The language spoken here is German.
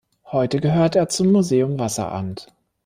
Heute gehört er zum Museum Wasseramt.